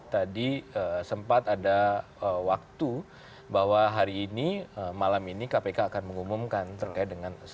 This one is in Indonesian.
tadi sempat ada waktu bahwa hari ini malam ini kpk akan mengumumkan terkait dengan